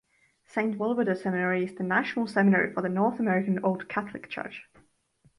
Saint Wolbodo Seminary is the national seminary for the North American Old Catholic Church.